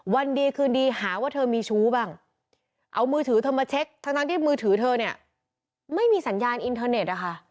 วันดีคืนดีหาว่าเธอมีชู้บ้างเอามือถือเธอมาเช็คทั้งที่มือถือเธอเนี่ยไม่มีสัญญาณอินเทอร์เน็ตนะคะ